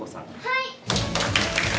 はい。